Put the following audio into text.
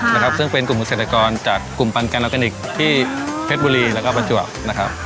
นะครับซึ่งเป็นกลุ่มเกษตรกรจากกลุ่มปันแกนออร์แกนิคที่เพชรบุรีแล้วก็ประจวบนะครับ